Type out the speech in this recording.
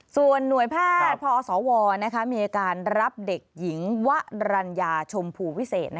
ส่วนหน่วยแพทย์พอสวมีอาการรับเด็กหญิงวะรัญญาชมภูวิเศษ